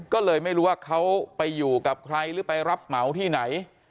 ก็เลยไม่รู้ว่าเขาไปอยู่กับใครหรือไปรับเหมาที่ไหน